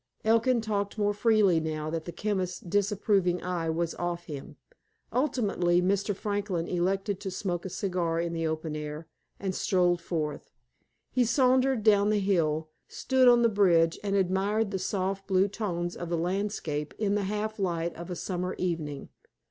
Elkin talked more freely now that the chemist's disapproving eye was off him. Ultimately, Mr. Franklin elected to smoke a cigar in the open air, and strolled forth. He sauntered down the hill, stood on the bridge, and admired the soft blue tones of the landscape in the half light of a summer evening.